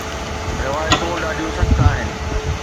روايتون ڏاڍيون سخت آهن